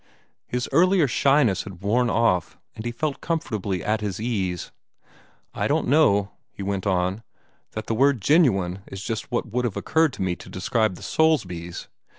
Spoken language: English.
His earlier shyness had worn off, and he felt comfortably at his ease. "I don't know," he went on, "that the word 'genuine' is just what would have occurred to me to describe the Soulsbys.